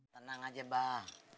tenang aja mbak